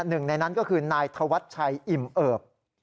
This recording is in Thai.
หนึ่งในนั้นก็คือนายธวัชชัยอิ่มเอิบ